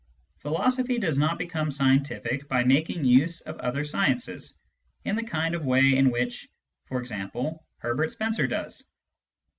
Philosophy does not become scientific by making use of other sciences, in the kind of way in which {e.g^ Herbert Spencer does.